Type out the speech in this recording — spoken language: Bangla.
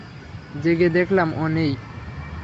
জেগে দেখলাম ও নেই।